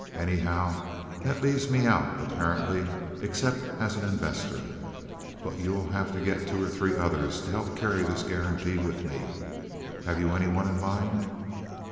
Anyhow, that leaves me out, apparently, except as an Investor. But you will have to get two or three others to help carry this guarantee with me. Have you any one in mind?"